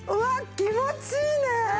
気持ちいいね。